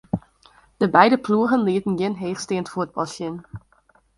De beide ploegen lieten gjin heechsteand fuotbal sjen.